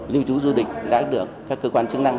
lưu trú du lịch đã được các cơ quan chức năng